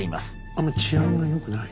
あんまり治安が良くない。